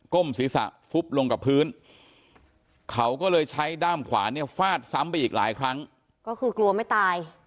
ศีรษะฟุบลงกับพื้นเขาก็เลยใช้ด้ามขวาเนี่ยฟาดซ้ำไปอีกหลายครั้งก็คือกลัวไม่ตาย